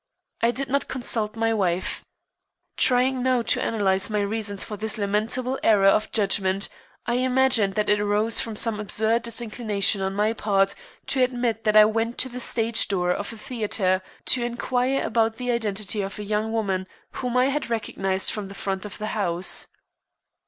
I did not consult my wife. Trying now to analyze my reasons for this lamentable error of judgment I imagined that it arose from some absurd disinclination on my part to admit that I went to the stage door of a theatre to inquire about the identity of a young woman whom I had recognized from the front of the house.